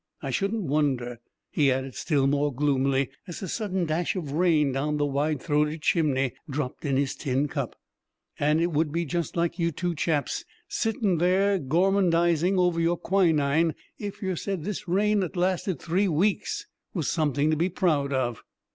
I shouldn't wonder," he added still more gloomily, as a sudden dash of rain down the wide throated chimney dropped in his tin cup "and it would be just like you two chaps, sittin' there gormandizing over your quinine if yer said this rain that's lasted three weeks was something to be proud of!"